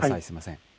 すみません。